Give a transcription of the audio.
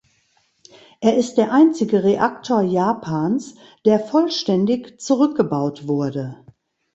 Er ist der einzige Reaktor Japans, der vollständig zurückgebaut wurde.